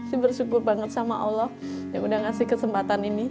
saya bersyukur banget sama allah ya udah ngasih kesempatan ini